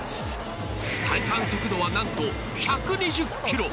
体感速度はなんと１２０キロ。